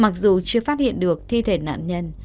mặc dù chưa phát hiện được thi thể nạn nhân